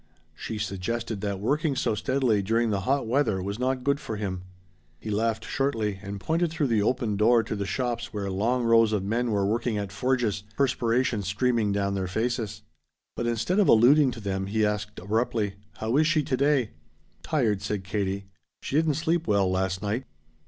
She suggested that working so steadily during the hot weather was not good for him. He laughed shortly and pointed through the open door to the shops where long rows of men were working at forges perspiration streaming down their faces. But instead of alluding to them he asked abruptly: "How is she today?" "Tired," said Katie. "She didn't sleep well last night."